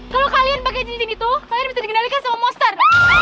kalau kalian pakai cincin itu kalian bisa dikendalikan sama monster